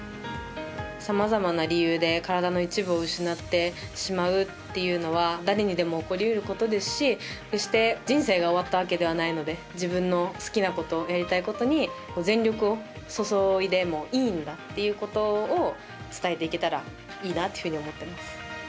さまざまな理由で体の一部を失ってしまうというのは誰にでも起こりうることですし人生が終わったわけではないので自分の好きなことやりたいことに全力を注いでもいいんだということを伝えていけたらいいなと思っています。